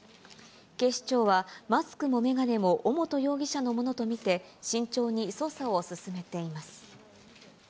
警視庁は、マスクも眼鏡も尾本容疑者のものと見て、慎重に捜査を進めています。